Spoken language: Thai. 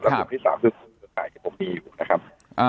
และกลุ่มที่สามคือกลุ่มศรัทธาที่ผมมีอยู่นะครับ